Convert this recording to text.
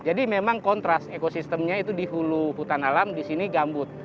jadi memang kontras ekosistemnya itu di hulu hutan alam disini gambut